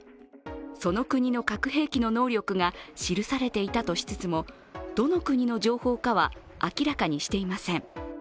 その国の核兵器の能力が記されていたとしつつも、どの国の情報かは明らかにしていません。